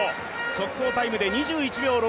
速報タイムで２２秒６８。